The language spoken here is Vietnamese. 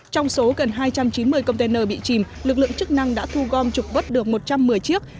trong số gần hai trăm chín mươi container bị chìm lực lượng chức năng đã thu gom trục vất được một trăm một mươi chiếc